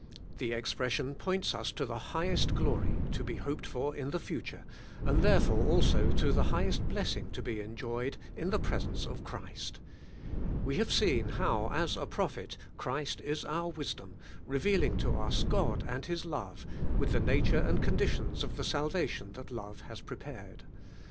The expression points us to the highest glory to be hoped for in the future, and therefore also to the highest blessing to be enjoyed in the present in Christ. We have seen how, as a proph et, Christ is our wisdom, revealing to us God and His love, with the nature and conditions of the salva tion that love has prepared.